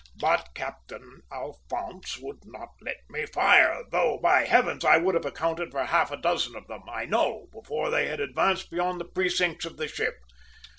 "But Captain Alphonse would not let me fire, though, by heavens! I would have accounted for half a dozen of them, I know, before they had advanced beyond the precincts of the ship!